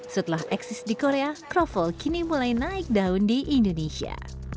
setelah eksis di korea kroffel kini mulai naik daun di indonesia